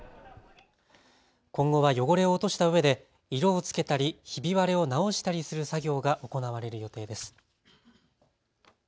今後は汚れを落としたうえで色をつけたりひび割れを直したりする作業が行われる予定です。